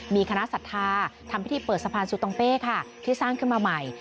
มีคณะศรัทธาทำพิธีเปิดสะพานสุตองเป้ค่ะที่สร้างขึ้นมาใหม่